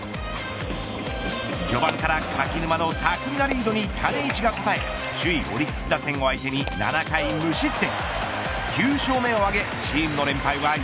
序盤から柿沼の巧みなリードに種市が応え首位オリックス打線を相手に７回無失点。